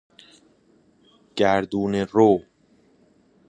گردونه رو